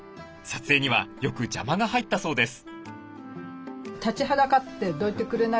撮影にはよく邪魔が入ったそうです。